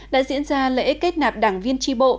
đã diễn ra lễ kết nạp đảng viên tri bộ